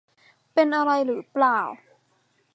เป็นอะไรหรือเปล่า